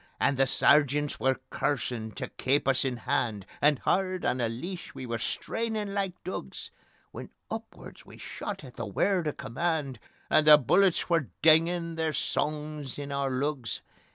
And the Sergeants were cursin' tae keep us in hand, And hard on the leash we were strainin' like dugs, When upward we shot at the word o' command, And the bullets were dingin' their songs in oor lugs.